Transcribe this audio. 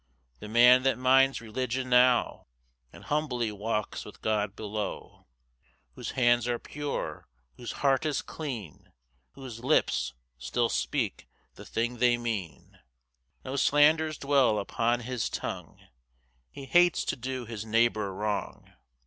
The man that minds religion now, And humbly walks with God below: 2 Whose hands are pure, whose heart is clean, Whose lips still speak the thing they mean; No slanders dwell upon his tongue; He hates to do his neighbour wrong.